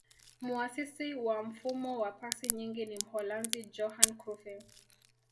muasisi wa mfumo wa pasi nyingi ni mholanzi johan crufy